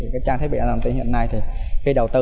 các trang thiết bị an toàn tin hiện nay khi đầu tư